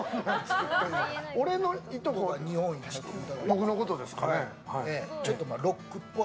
僕のことですか。